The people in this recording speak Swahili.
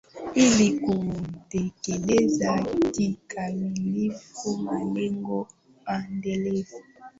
ili kutekeleza kikamilifu malengo endelevu